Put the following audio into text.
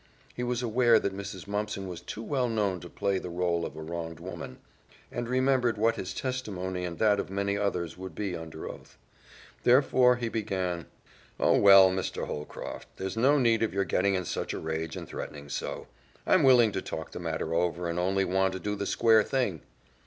He was aware that Mrs. Mumpson was too well known to play the role of a wronged woman, and remembered what his testimony and that of many others would be under oath. Therefore, he began, "Oh, well, Mr. Holcroft! There's no need of your getting in such a rage and threatening so; I'm willing to talk the matter over and only want to do the square thing."